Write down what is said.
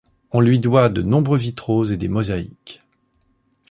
On lui doit de nombreux vitraux et des mosaïques.